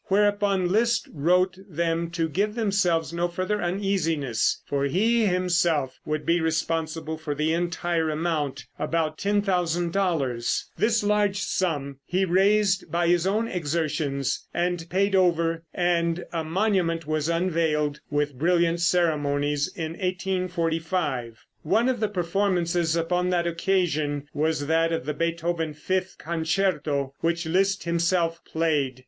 Whereupon Liszt wrote them to give themselves no further uneasiness, for he himself would be responsible for the entire amount, about $10,000. This large sum he raised by his own exertions, and paid over, and a monument was unveiled with brilliant ceremonies in 1845. One of the performances upon that occasion was that of the Beethoven fifth concerto, which Liszt himself played.